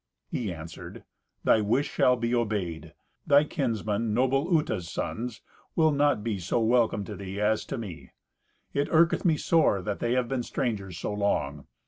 He answered, "Thy wish shall be obeyed. Thy kinsmen, noble Uta's sons, will not be so welcome to thee as to me. It irketh me sore that they have been strangers so long.